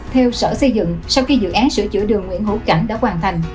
theo sở xây dựng sau khi dự án sửa chữa đường nguyễn hữu cảnh đã hoàn thành